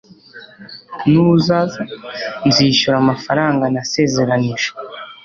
nuzaza, nzishyura amafaranga nasezeranije